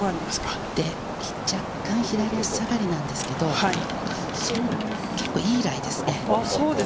若干、左足下がりなんですけれど、いいライですね。